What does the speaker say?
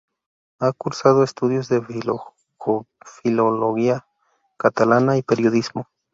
Ha cursado estudios de Filología Catalana y Periodismo.